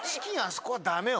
そこはダメよ。